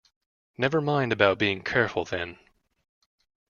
Never mind about being careful, then.